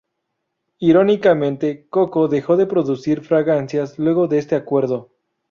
Irónicamente, Coco dejó de producir fragancias luego de este acuerdo.